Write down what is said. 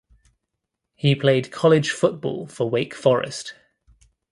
He played college football for Wake Forest.